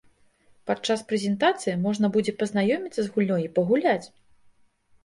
Падчас прэзентацыі можна будзе пазнаёміцца з гульнёй і пагуляць!